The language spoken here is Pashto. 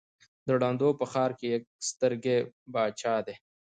د ړندو په ښآر کې يک سترگى باچا دى.